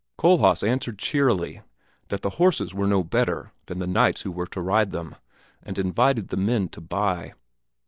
Kohlhaas answered cheerily that the horses were no better than the knights who were to ride them, and invited the men to buy.